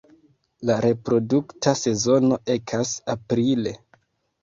La reprodukta sezono ekas aprile.